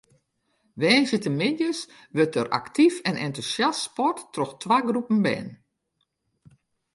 Woansdeitemiddeis wurdt der aktyf en entûsjast sport troch twa groepen bern.